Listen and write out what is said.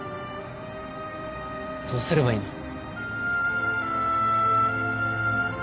どうすればいいの？